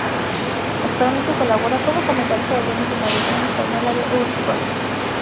Actualmente colabora como comentarista de tenis en la versión española de Eurosport.